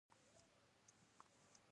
د وېش پر خلاف د مصنوعي ملک پاکستان پر ځای.